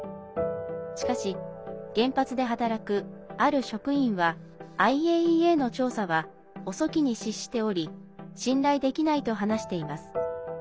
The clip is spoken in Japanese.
しかし原発で働く、ある職員はＩＡＥＡの調査は遅きに失しており信頼できないと話しています。